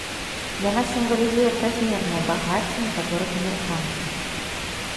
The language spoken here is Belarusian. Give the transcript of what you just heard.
Яна сімвалізуе празмернае багацце некаторых амерыканцаў.